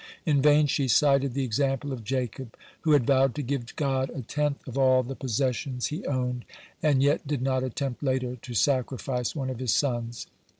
In vain she cited the example of Jacob, who had vowed to give God a tenth of all the possessions he owned, and yet did not attempt later to sacrifice one of his sons.